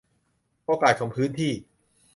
โอกาสของพื้นที่